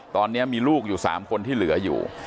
ตอนนี้มีลูกอยู่๓คนที่เหลืออยู่